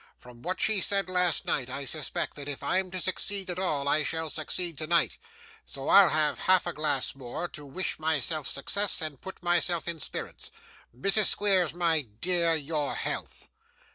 From what she said last night, I suspect that if I'm to succeed at all, I shall succeed tonight; so I'll have half a glass more, to wish myself success, and put myself in spirits. Mrs. Squeers, my dear, your health!